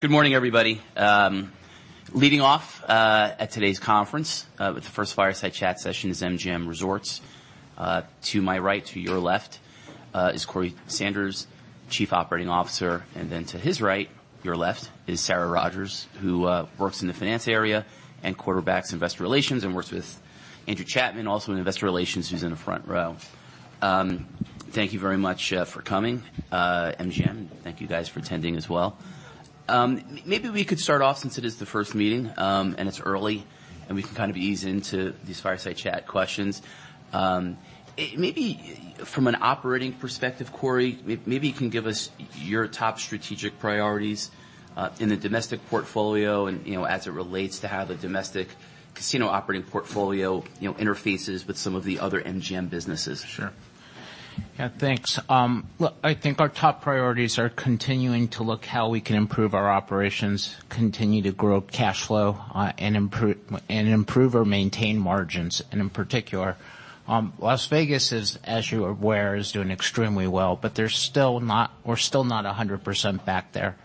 Good morning, everybody. Leading off at today's conference, with the first fireside chat session is MGM Resorts. To my right, to your left, is Corey Sanders, Chief Operating Officer. Then to his right, your left, is Sarah Rogers, who works in the finance area and quarterbacks investor relations and works with Andrew Chapman, also in investor relations, who's in the front row. Thank you very much for coming, MGM. Thank you guys for attending as well. Maybe we could start off since it is the first meeting, and it's early, and we can kind of ease into these fireside chat questions. Maybe from an operating perspective, Corey, maybe you can give us your top strategic priorities in the domestic portfolio and, you know, as it relates to how the domestic casino operating portfolio, you know, interfaces with some of the other MGM businesses. Sure. Yeah, thanks. Look, I think our top priorities are continuing to look how we can improve our operations, continue to grow cash flow, and improve or maintain margins. In particular, Las Vegas is, as you are aware, is doing extremely well, but we're still not 100% back there.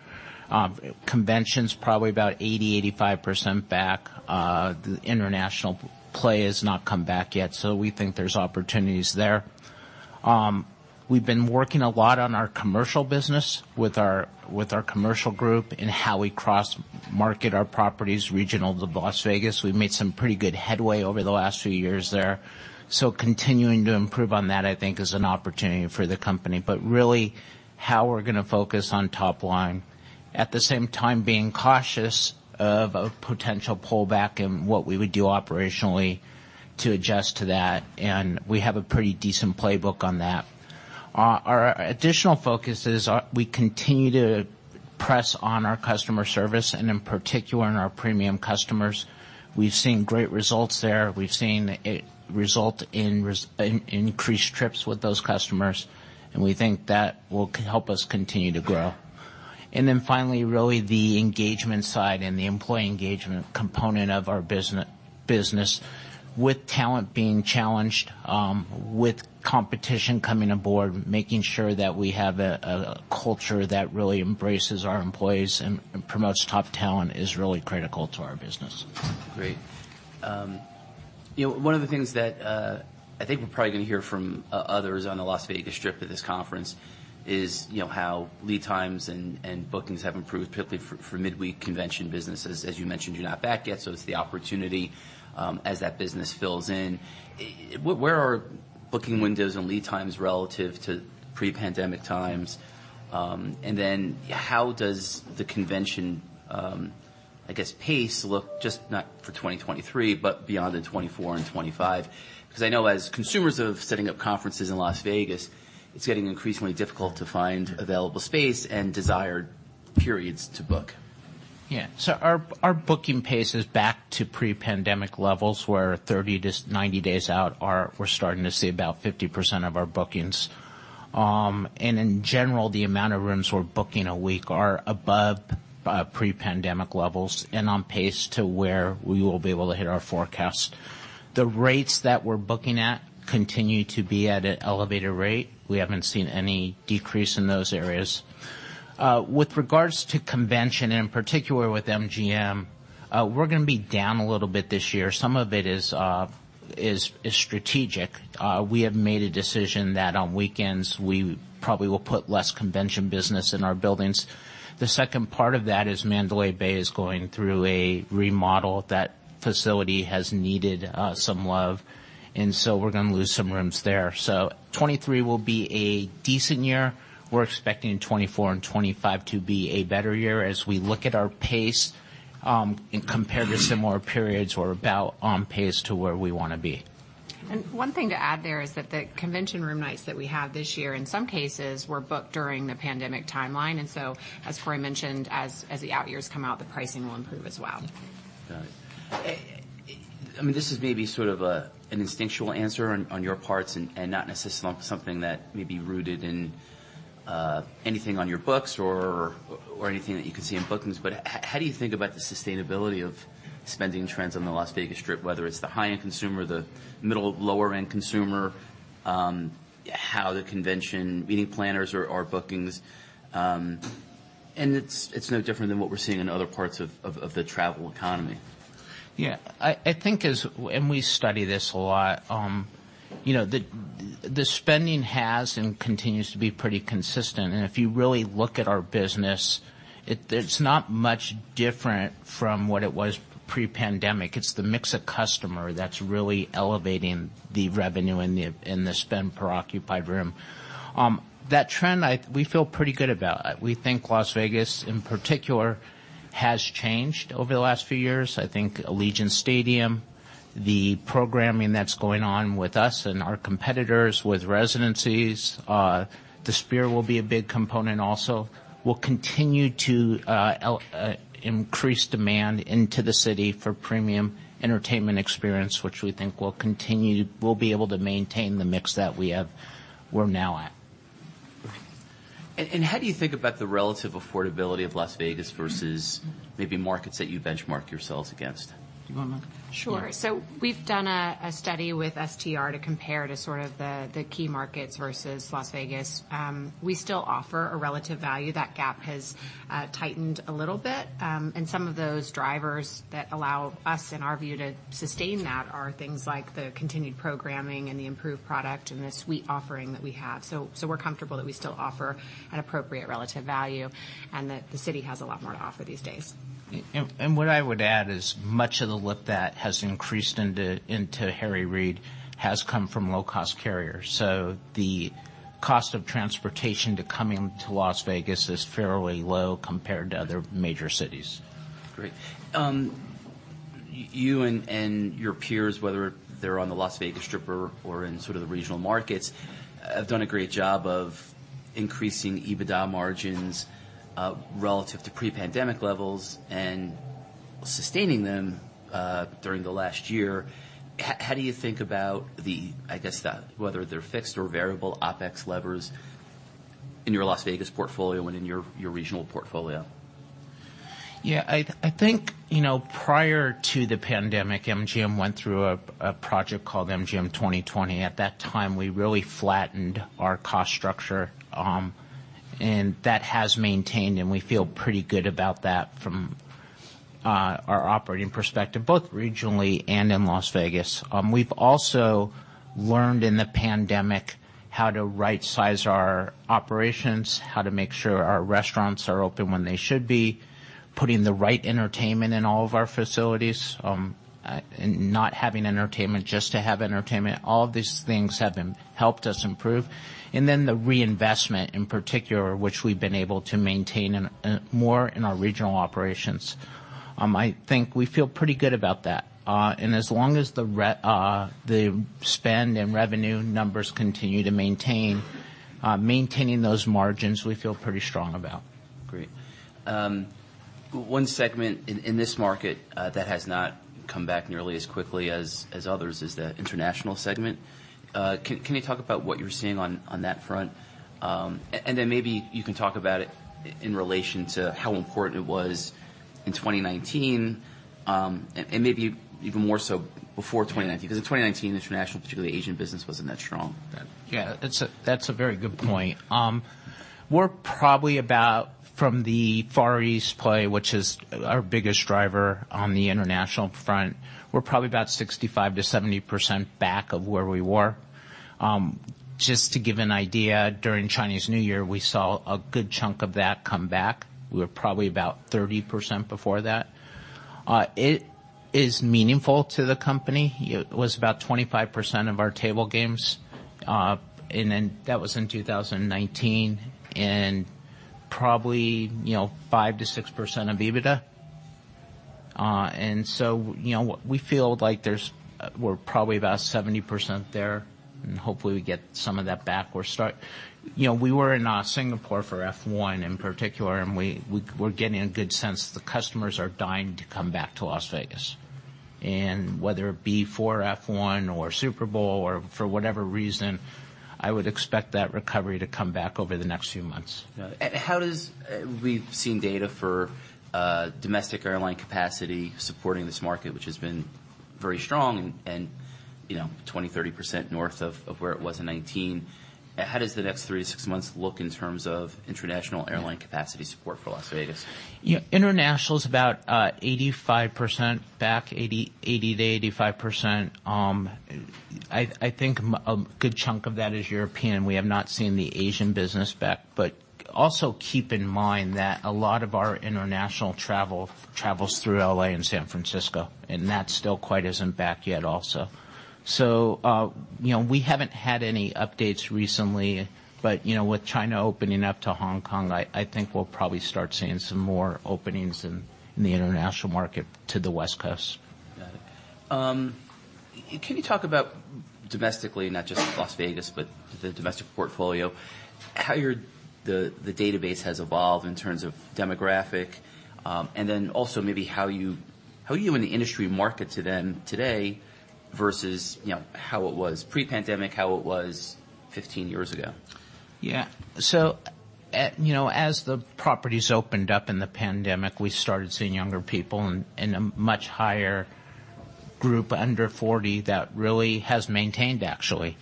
Convention's probably about 80%-85% back. The international play has not come back yet, so we think there's opportunities there. We've been working a lot on our commercial business with our, with our commercial group and how we cross-market our properties regional to Las Vegas. We've made some pretty good headway over the last few years there. Continuing to improve on that, I think is an opportunity for the company. Really how we're gonna focus on top line. At the same time, being cautious of a potential pullback and what we would do operationally to adjust to that. We have a pretty decent playbook on that. Our additional focus is we continue to press on our customer service, and in particular, in our premium customers. We've seen great results there. We've seen it result in increased trips with those customers. We think that will help us continue to grow. Finally, really the engagement side and the employee engagement component of our business. With talent being challenged, with competition coming aboard, making sure that we have a culture that really embraces our employees and promotes top talent is really critical to our business. Great. You know, one of the things that, I think we're probably gonna hear from, others on the Las Vegas Strip at this conference is, you know, how lead times and bookings have improved, particularly for midweek convention businesses. As you mentioned, you're not back yet, so it's the opportunity, as that business fills in. Where are booking windows and lead times relative to pre-pandemic times? How does the convention, I guess, pace look just not for 2023, but beyond the 2024 and 2025? Because I know as consumers of setting up conferences in Las Vegas, it's getting increasingly difficult to find available space and desired periods to book. Our booking pace is back to pre-pandemic levels, where 30-90 days out we're starting to see about 50% of our bookings. In general, the amount of rooms we're booking a week are above pre-pandemic levels and on pace to where we will be able to hit our forecast. The rates that we're booking at continue to be at an elevated rate. We haven't seen any decrease in those areas. With regards to convention, in particular with MGM, we're gonna be down a little bit this year. Some of it is strategic. We have made a decision that on weekends, we probably will put less convention business in our buildings. The second part of that is Mandalay Bay is going through a remodel. That facility has needed some love, and so we're gonna lose some rooms there. 2023 will be a decent year. We're expecting 2024 and 2025 to be a better year as we look at our pace, and compared to similar periods, we're about on pace to where we wanna be. One thing to add there is that the convention room nights that we have this year, in some cases, were booked during the pandemic timeline. As Corey mentioned, as the out years come out, the pricing will improve as well. Got it. I mean, this is maybe sort of an instinctual answer on your parts and not necessarily something that may be rooted in anything on your books or anything that you can see in bookings. How do you think about the sustainability of spending trends on the Las Vegas Strip, whether it's the high-end consumer, the middle, lower end consumer, how the convention meeting planners or bookings? It's no different than what we're seeing in other parts of the travel economy. Yeah. I think as. We study this a lot. you know, the spending has and continues to be pretty consistent. If you really look at our business, it's not much different from what it was pre-pandemic. It's the mix of customer that's really elevating the revenue in the spend per occupied room. That trend, we feel pretty good about. We think Las Vegas, in particular, has changed over the last few years. I think Allegiant Stadium, the programming that's going on with us and our competitors with residencies, the Sphere will be a big component also, will continue to increase demand into the city for premium entertainment experience, which we think will continue. We'll be able to maintain the mix that we have, we're now at. How do you think about the relative affordability of Las Vegas versus maybe markets that you benchmark yourselves against? Do you want to- Sure. We've done a study with STR to compare to sort of the key markets versus Las Vegas. We still offer a relative value. That gap has tightened a little bit. Some of those drivers that allow us, in our view, to sustain that are things like the continued programming and the improved product and the suite offering that we have. We're comfortable that we still offer an appropriate relative value and that the city has a lot more to offer these days. What I would add is much of the lift that has increased into Harry Reid has come from low-cost carriers. The cost of transportation to coming to Las Vegas is fairly low compared to other major cities. Great. You and your peers, whether they're on the Las Vegas Strip or in sort of the regional markets, have done a great job of increasing EBITDA margins relative to pre-pandemic levels and sustaining them during the last year. How do you think about the whether they're fixed or variable OpEx levers in your Las Vegas portfolio and in your regional portfolio? I think, you know, prior to the pandemic, MGM went through a project called MGM 2020. At that time, we really flattened our cost structure, and that has maintained, and we feel pretty good about that from our operating perspective, both regionally and in Las Vegas. We've also learned in the pandemic how to right-size our operations, how to make sure our restaurants are open when they should be, putting the right entertainment in all of our facilities, not having entertainment just to have entertainment. All of these things helped us improve. The reinvestment, in particular, which we've been able to maintain in more in our regional operations. I think we feel pretty good about that. As long as the spend and revenue numbers continue to maintain those margins, we feel pretty strong about. Great. One segment in this market that has not come back nearly as quickly as others is the international segment. Can you talk about what you're seeing on that front? Maybe you can talk about it in relation to how important it was in 2019, and maybe even more so before 2019. In 2019, international, particularly Asian business, wasn't that strong then. Yeah, that's a very good point. We're probably about from the Far East play, which is our biggest driver on the international front. We're probably about 65%-70% back of where we were. Just to give an idea, during Chinese New Year, we saw a good chunk of that come back. We were probably about 30% before that. It is meaningful to the company. It was about 25% of our table games. That was in 2019, and probably, you know, 5%-6% of EBITDA. You know, we feel like we're probably about 70% there, and hopefully we get some of that back. You know, we were in Singapore for F1 in particular, and we're getting a good sense the customers are dying to come back to Las Vegas. Whether it be for F1 or Super Bowl or for whatever reason, I would expect that recovery to come back over the next few months. How does We've seen data for domestic airline capacity supporting this market, which has been very strong and, you know, 20%-30% north of where it was in 2019. How does the next 3-6 months look in terms of international airline capacity support for Las Vegas? Yeah. International's about 85% back, 80%-85%. I think a good chunk of that is European. We have not seen the Asian business back. Also keep in mind that a lot of our international travel travels through L.A. and San Francisco, and that still quite isn't back yet also. You know, we haven't had any updates recently, but, you know, with China opening up to Hong Kong, I think we'll probably start seeing some more openings in the international market to the West Coast. Got it. Can you talk about domestically, not just Las Vegas, but the domestic portfolio, the database has evolved in terms of demographic? Also maybe how you in the industry market to them today versus, you know, how it was pre-pandemic, how it was 15 years ago. Yeah. You know, as the properties opened up in the pandemic, we started seeing younger people and a much higher group under 40 that really has maintained actually.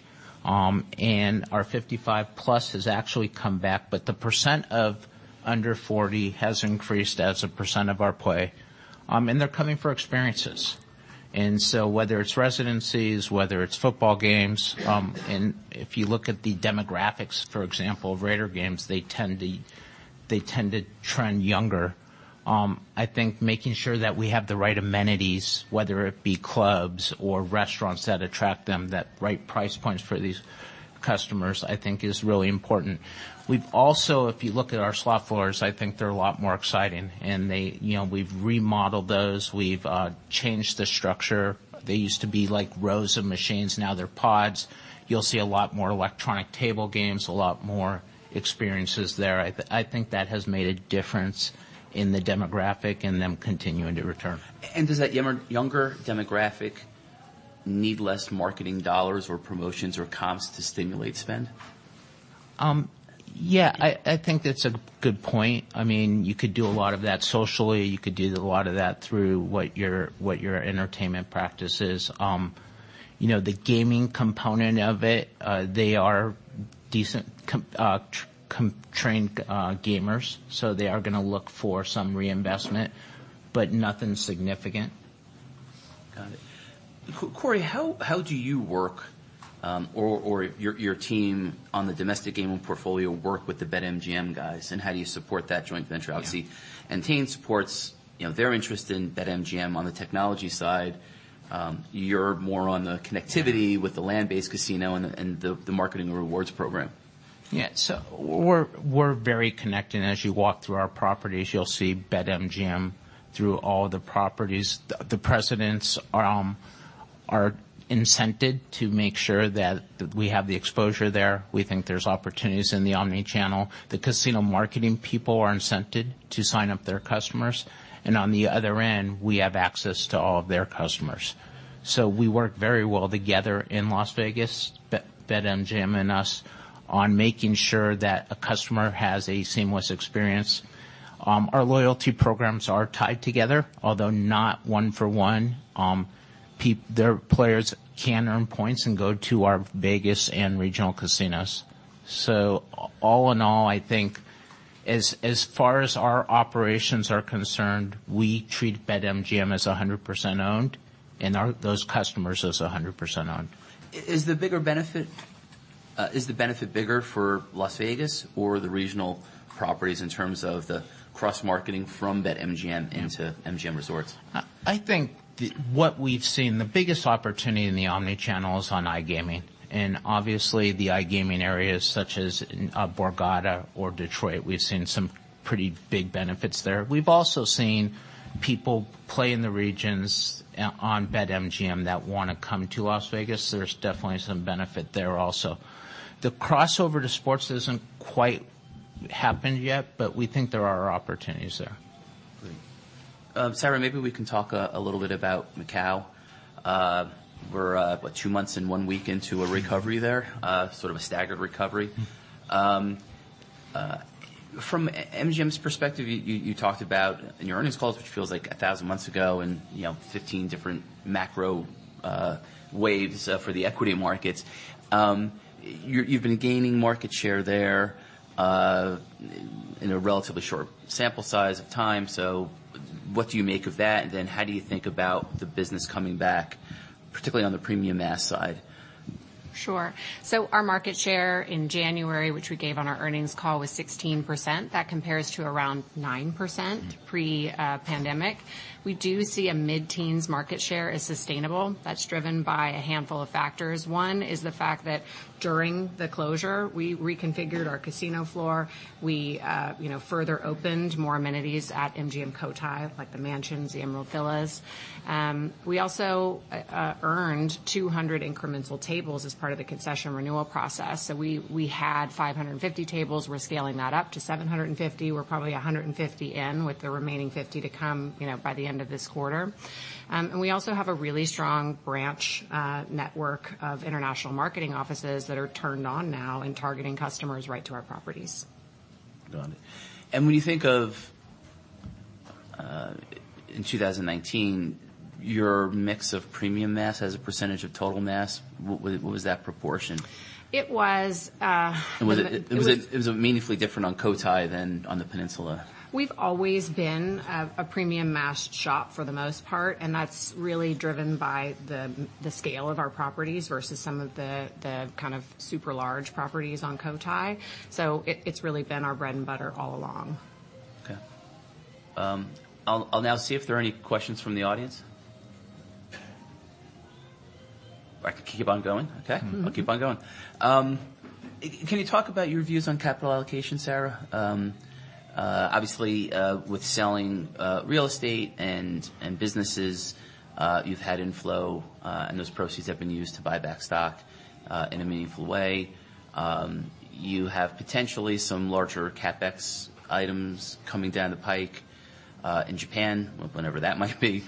Our 55 plus has actually come back, but the percent of under 40 has increased as a percent of our play. They're coming for experiences. Whether it's residencies, whether it's football games, if you look at the demographics, for example, Raider games, they tend to trend younger. I think making sure that we have the right amenities, whether it be clubs or restaurants that attract them, that right price points for these customers, I think is really important. We've also, if you look at our slot floors, I think they're a lot more exciting and they, you know, we've remodeled those. We've changed the structure. They used to be like rows of machines, now they're pods. You'll see a lot more electronic table games, a lot more experiences there. I think that has made a difference in the demographic and them continuing to return. Does that younger demographic need less marketing dollars or promotions or comps to stimulate spend? Yeah, I think that's a good point. I mean, you could do a lot of that socially. You could do a lot of that through what your entertainment practice is. You know, the gaming component of it, they are decent trained gamers, so they are gonna look for some reinvestment, but nothing significant. Got it. Corey, how do you work, or your team on the domestic gaming portfolio work with the BetMGM guys, and how do you support that joint venture? Obviously, Entain supports, you know, they're interested in BetMGM on the technology side. You're more on the connectivity with the land-based casino and the marketing rewards program. We're very connected. As you walk through our properties, you'll see BetMGM through all the properties. The presidents are incented to make sure that we have the exposure there. We think there's opportunities in the omnichannel. The casino marketing people are incented to sign up their customers. On the other end, we have access to all of their customers. We work very well together in Las Vegas, BetMGM and us, on making sure that a customer has a seamless experience. Our loyalty programs are tied together, although not 1 for 1. Their players can earn points and go to our Vegas and regional casinos. All in all, I think as far as our operations are concerned, we treat BetMGM as 100% owned, and those customers as 100% owned. Is the benefit bigger for Las Vegas or the regional properties in terms of the cross-marketing from BetMGM into MGM Resorts? I think what we've seen, the biggest opportunity in the omnichannel is on iGaming. Obviously, the iGaming areas such as Borgata or Detroit, we've seen some pretty big benefits there. We've also seen people play in the regions on BetMGM that wanna come to Las Vegas. There's definitely some benefit there also. The crossover to sports isn't quite happened yet, but we think there are opportunities there. Great. Sarah, maybe we can talk a little bit about Macau. We're what, two months and one week into a recovery there, sort of a staggered recovery. From MGM's perspective, you've talked about in your earnings calls, which feels like 1,000 months ago and, you know, 15 different macro waves for the equity markets. You've been gaining market share there in a relatively short sample size of time. What do you make of that? How do you think about the business coming back, particularly on the premium mass side? Sure. Our market share in January, which we gave on our earnings call, was 16%. That compares to around 9% pre-pandemic. We do see a mid-teens market share as sustainable. That's driven by a handful of factors. One is the fact that during the closure, we reconfigured our casino floor. We, you know, further opened more amenities at MGM Cotai, like The Mansions, the Emerald Villas. We also earned 200 incremental tables as part of the concession renewal process. We had 550 tables. We're scaling that up to 750. We're probably 150 in, with the remaining 50 to come, you know, by the end of this quarter. We also have a really strong branch, network of international marketing offices that are turned on now and targeting customers right to our properties. Got it. When you think of, in 2019, your mix of premium mass as a percentage of total mass, what is that proportion? It was. It was meaningfully different on Cotai than on the Peninsula? We've always been a premium mass shop for the most part, and that's really driven by the scale of our properties versus some of the kind of super large properties on Cotai. It's really been our bread and butter all along. Okay. I'll now see if there are any questions from the audience. I could keep on going. Okay. Mm-hmm. I'll keep on going. Can you talk about your views on capital allocation, Sarah? Obviously, with selling real estate and businesses, you've had inflow, and those proceeds have been used to buy back stock in a meaningful way. You have potentially some larger CapEx items coming down the pike in Japan, whenever that might be.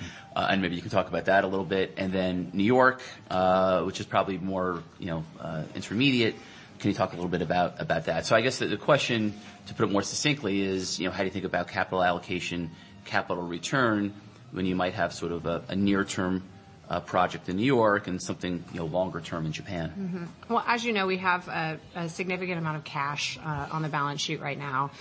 Maybe you can talk about that a little bit. New York, which is probably more, you know, intermediate. Can you talk a little bit about that? I guess the question, to put it more succinctly, is, you know, how do you think about capital allocation, capital return, when you might have sort of a near-term project in New York and something, you know, longer term in Japan? As you know, we have a significant amount of cash on the balance sheet right now.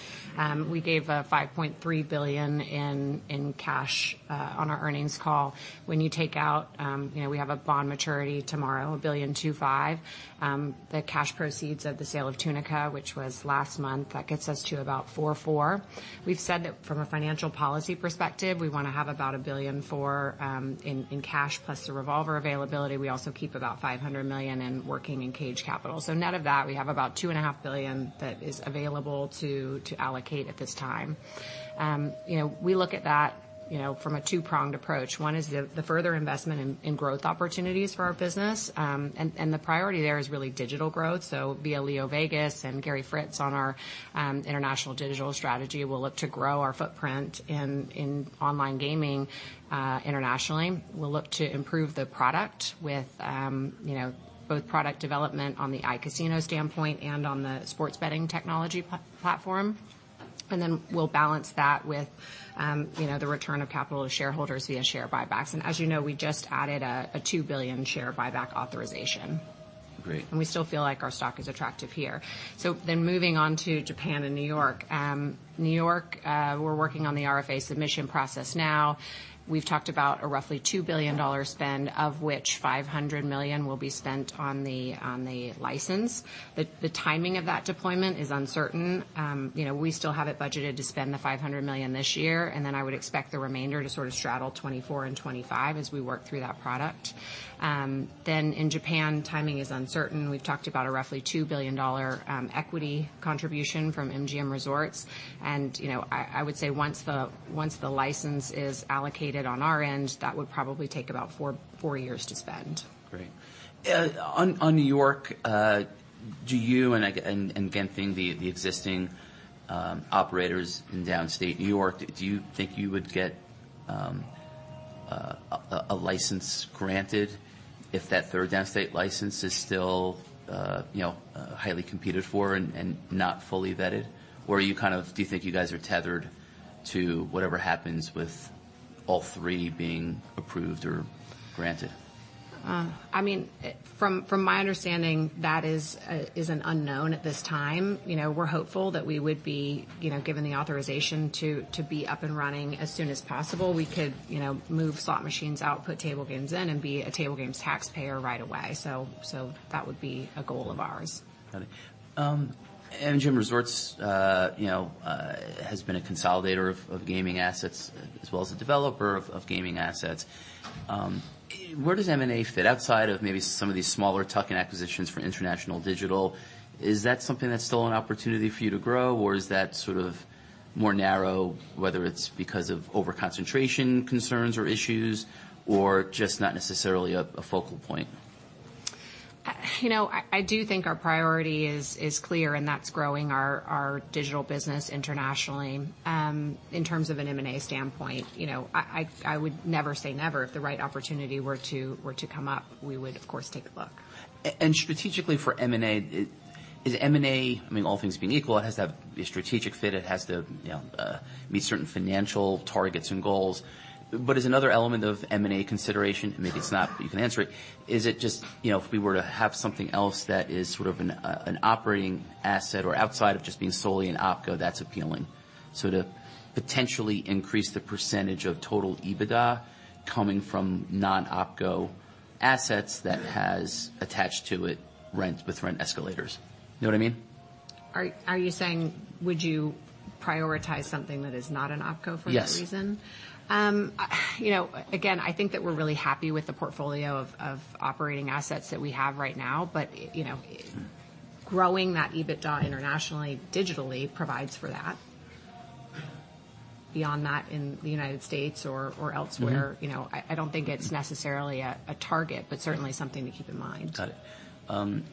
We gave $5.3 billion in cash on our earnings call. When you take out, you know, we have a bond maturity tomorrow, $1.25 billion. The cash proceeds of the sale of Tunica, which was last month, that gets us to about $4.4 billion. We've said that from a financial policy perspective, we want to have about $1.4 billion in cash plus the revolver availability. We also keep about $500 million in working and cage capital. Net of that, we have about $2.5 billion that is available to allocate at this time. You know, we look at that, you know, from a two-pronged approach. One is the further investment in growth opportunities for our business. The priority there is really digital growth. Via LeoVegas and Gary Fritz on our international digital strategy, we'll look to grow our footprint in online gaming internationally. We'll look to improve the product with, you know, both product development on the iCasino standpoint and on the sports betting technology platform. Then we'll balance that with, you know, the return of capital to shareholders via share buybacks. As you know, we just added a $2 billion share buyback authorization. Great. We still feel like our stock is attractive here. Moving on to Japan and New York. New York, we're working on the RFA submission process now. We've talked about a roughly $2 billion spend, of which $500 million will be spent on the license. The timing of that deployment is uncertain. You know, we still have it budgeted to spend the $500 million this year, and then I would expect the remainder to sort of straddle 2024 and 2025 as we work through that product. In Japan, timing is uncertain. We've talked about a roughly $2 billion equity contribution from MGM Resorts. You know, I would say once the license is allocated on our end, that would probably take about four years to spend. Great. On New York, do you and again, the existing operators in Downstate New York, do you think you would get a license granted if that third Downstate license is still, you know, highly competed for and not fully vetted? Or do you think you guys are tethered to whatever happens with all three being approved or granted? I mean, from my understanding, that is an unknown at this time. You know, we're hopeful that we would be, you know, given the authorization to be up and running as soon as possible. We could, you know, move slot machines out, put table games in, and be a table games taxpayer right away. That would be a goal of ours. Got it. MGM Resorts, you know, has been a consolidator of gaming assets, as well as a developer of gaming assets. Where does M&A fit, outside of maybe some of these smaller tuck-in acquisitions for international digital? Is that something that's still an opportunity for you to grow, or is that sort of more narrow, whether it's because of overconcentration concerns or issues, or just not necessarily a focal point? You know, I do think our priority is clear. That's growing our digital business internationally. In terms of an M&A standpoint, you know, I would never say never. If the right opportunity were to come up, we would, of course, take a look. Strategically for M&A, is M&A. I mean, all things being equal, it has to have a strategic fit. It has to, you know, meet certain financial targets and goals. Is another element of M&A consideration, maybe it's not, but you can answer it. Is it just, you know, if we were to have something else that is sort of an operating asset or outside of just being solely an OpCo that's appealing? To potentially increase the percentage of total EBITDA coming from non-OpCo assets that has attached to it rent with rent escalators. You know what I mean? Are you saying would you prioritize something that is not an OpCo for another reason? Yes. You know, again, I think that we're really happy with the portfolio of operating assets that we have right now. You know, growing that EBITDA internationally, digitally provides for that. Beyond that, in the United States or elsewhere. Mm-hmm. You know, I don't think it's necessarily a target, but certainly something to keep in mind. Got it.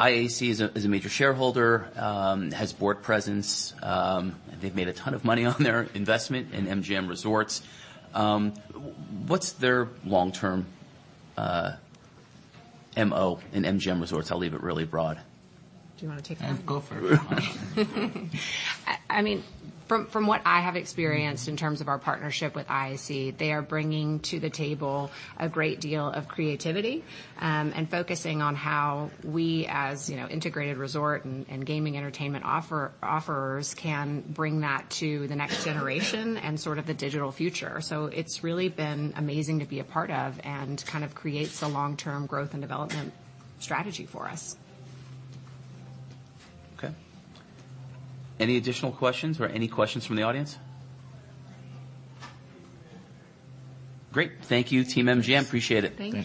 IAC is a major shareholder, has board presence. They've made a ton of money on their investment in MGM Resorts. What's their long-term MO in MGM Resorts? I'll leave it really broad. Do you wanna take that? Go for it. I mean, from what I have experienced in terms of our partnership with IAC, they are bringing to the table a great deal of creativity, and focusing on how we as, you know, integrated resort and gaming entertainment offers can bring that to the next generation and sort of the digital future. It's really been amazing to be a part of and kind of creates the long-term growth and development strategy for us. Okay. Any additional questions or any questions from the audience? Great. Thank you, team MGM. Appreciate it. Thank you.